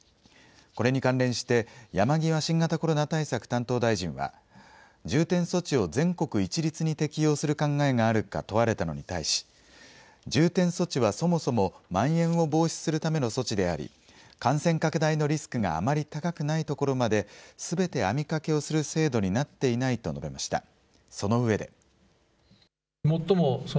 これに関連して山際新型コロナ対策担当大臣は重点措置を全国一律に適用する考えがあるか問われたのに対し重点措置はそもそも、まん延を防止するための措置であり、感染拡大のリスクがあまり高くないところまですべて網掛けをする制度になっていないと述べました。